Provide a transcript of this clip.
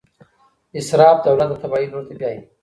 اسراف دولت د تباهۍ لور ته بیايي.